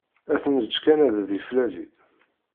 Ad t-neğğ kan ad d-iflali.